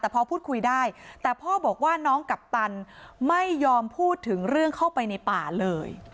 แต่พอพูดคุยได้แต่พ่อบอกว่าน้องกัปตันไม่ยอมพูดถึงเรื่องเข้าไปในป่าเลย